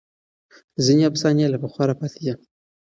ځینې افسانې له پخوا راپاتې دي.